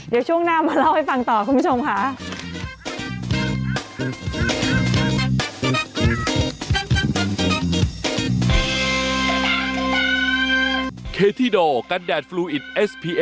เดี๋ยวช่วงหน้ามาเล่าให้ฟังต่อคุณผู้ชมค่ะ